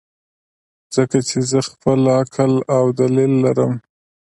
ځکه چې زۀ خپل عقل او دليل لرم -